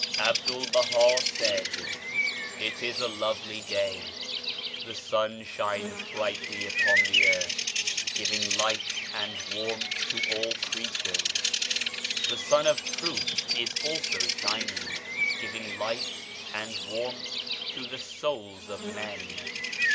A BDUL BAHA said :"^^ It is a lovely day, the sun shines brightly upon the earth, giving light and warmth to all creatures. The Sun of Truth is also shining, giving light and warmth to the souls of men.